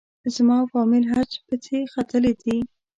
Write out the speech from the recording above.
زما او فامیل حج پچې ختلې دي.